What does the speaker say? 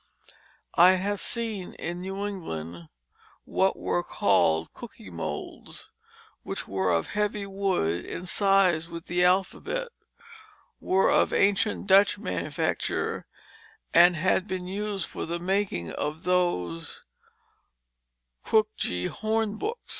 I have seen in New England what were called "cookey moulds," which were of heavy wood incised with the alphabet, were of ancient Dutch manufacture, and had been used for making those "koeckje" hornbooks.